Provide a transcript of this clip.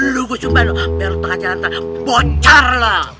lu gua sumpah lu biar lu tengah jalan tengah bocor lah